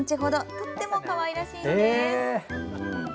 とってもかわいらしいんです。